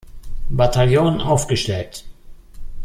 Bataillon aufgestellt.